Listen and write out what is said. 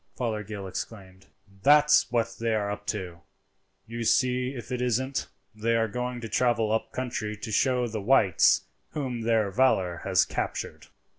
Fothergill exclaimed. "That's what they are up to; you see if it isn't. They are going to travel up country to show the whites whom their valour has captured."